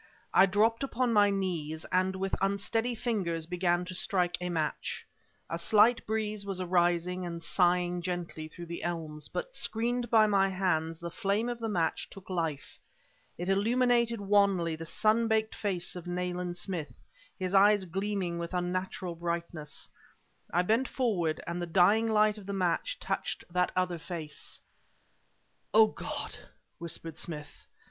I dropped upon my knees, and with unsteady fingers began to strike a match. A slight breeze was arising and sighing gently through the elms, but, screened by my hands, the flame of the match took life. It illuminated wanly the sun baked face of Nayland Smith, his eyes gleaming with unnatural brightness. I bent forward, and the dying light of the match touched that other face. "Oh, God!" whispered Smith.